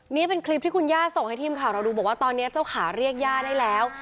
นี่เป็นคลิปที่คุณย่าส่งให้ทีมข่าวเราดูบอกว่าตอนนี้เจ้าขาเรียกย่าได้แล้ว